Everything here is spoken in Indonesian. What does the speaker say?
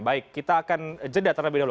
baik kita akan jeda terlebih dahulu